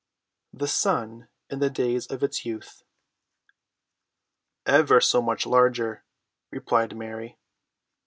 THE SUN IN THE DAYS OF ITS YOUTH. "Ever so much larger," replied Mary.